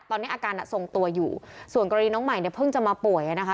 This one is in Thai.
ตอนนี้อาการอ่ะทรงตัวอยู่ส่วนกรณีน้องใหม่เนี่ยเพิ่งจะมาป่วยอ่ะนะคะ